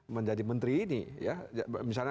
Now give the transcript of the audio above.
menjadi menteri ini misalnya